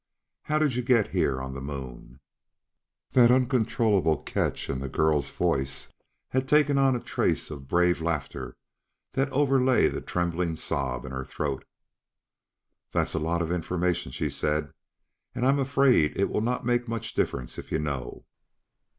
How did you get here on the Moon?" That uncontrollable catch in the girl's voice had taken on a trace of brave laughter that overlay the trembling sob in her throat. "That is a lot of information," she said, "and I am afraid it will not make much difference if you know.